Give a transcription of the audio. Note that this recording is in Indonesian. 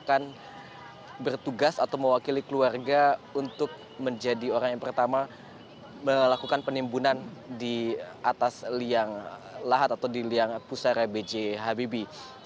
yang sudah berhasil melakukan penimbunan di atas liang lahat atau di liang pusara b j habibie